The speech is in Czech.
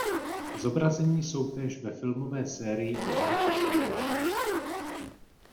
Zobrazení jsou též ve filmové sérii o Harry Potterovi.